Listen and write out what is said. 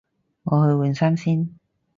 我去換衫先